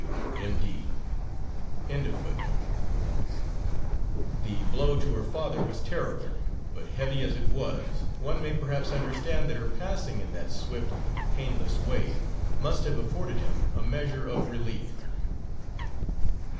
D.W. M.D.] The blow to her father was terrible, but heavy as it was, one may perhaps understand that her passing in that swift, painless way must have afforded him a measure of relief.